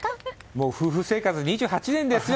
もう夫婦生活２８年ですよ？